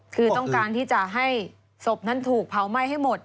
คือต้องการที่จะให้ศพนั้นถูกเผาไหม้ให้หมด